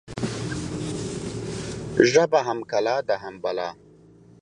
ژبه هم کلا ده، هم بلا